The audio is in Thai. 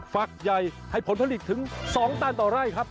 ฝักใหญ่ให้ผลผลิตถึง๒ตันต่อไร่ครับ